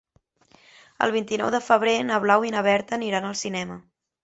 El vint-i-nou de febrer na Blau i na Berta aniran al cinema.